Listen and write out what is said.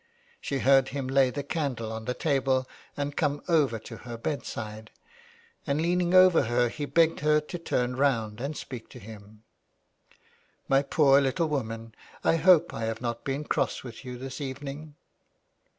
She heard him lay the candle on the table and come over to her bedside, and, leaning over her, he begged of her to turn round and speak to him. " My poor little woman, I hope I have not been cross with you this evening."